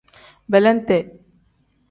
Belente.